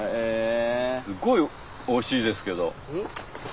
すごいおいしいですけど。